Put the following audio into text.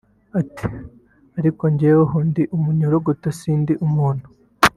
Ati “Ariko jyeweho ndi umunyorogoto sindi umuntu